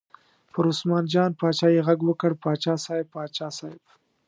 پر عثمان جان باچا یې غږ وکړ: باچا صاحب، باچا صاحب.